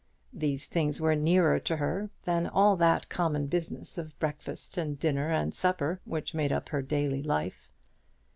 These things were nearer to her than all that common business of breakfast and dinner and supper which made up her daily life.